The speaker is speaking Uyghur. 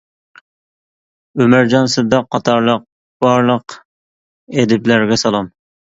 ئۆمەرجان سىدىق قاتارلىق بارلىق ئەدىبلەرگە سالام!